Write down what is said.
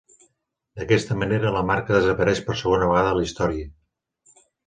D'aquesta manera la marca desapareix per segona vegada a la història.